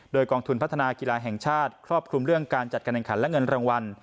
โดยกองทุนพัฒนากีฬาแห่งชาติครอบคลุมเรื่องการจัดการแห่งขันและเงินรางวัล